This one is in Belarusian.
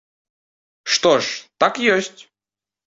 Што ж, так ёсць.